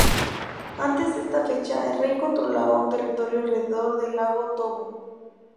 Antes de esta fecha, el rey controlaba un territorio alrededor del lago Togo.